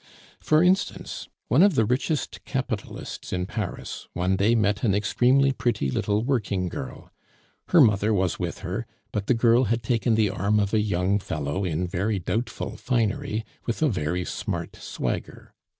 For instance, one of the richest capitalists in Paris one day met an extremely pretty little working girl. Her mother was with her, but the girl had taken the arm of a young fellow in very doubtful finery, with a very smart swagger.